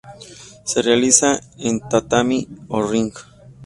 Se realiza en tatami o ring.